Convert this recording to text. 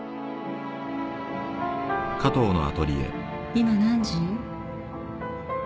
今何時？